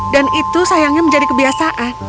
dan itu sayangnya menjadi kebiasaan